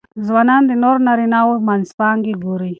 ځوانان د نورو نارینهوو منځپانګې ګوري.